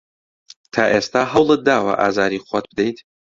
تا ئێستا هەوڵت داوە ئازاری خۆت بدەیت؟